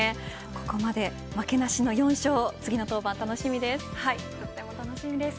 ここまで負けなしの４勝次の登板楽しみです。